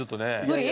無理？